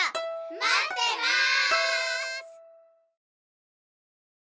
まってます！